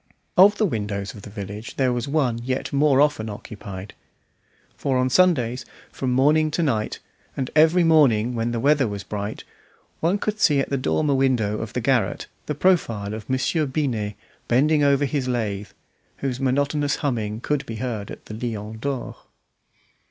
Of the windows of the village there was one yet more often occupied; for on Sundays from morning to night, and every morning when the weather was bright, one could see at the dormer window of the garret the profile of Monsieur Binet bending over his lathe, whose monotonous humming could be heard at the Lion d'Or.